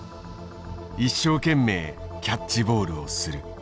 「一生けんめいキャッチボールをする」。